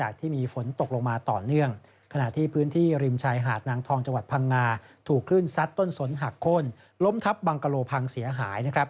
ขนาดที่พื้นที่ริมชายหาดนางทองจังหวัดพังงาถุคสัสติต้นสนหักโค้นล้มทับบังกะโลภังเสียหาย